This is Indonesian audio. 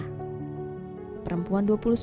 ia adalah seorang penyandang disabilitas netra